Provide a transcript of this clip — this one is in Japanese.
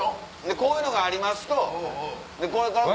こういうのがありますとこれから。